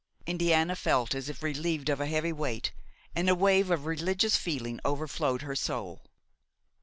Indiana felt as if relieved of a heavy weight, and a wave of religious feeling overflowed her soul.